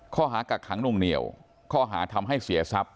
กักขังนวงเหนียวข้อหาทำให้เสียทรัพย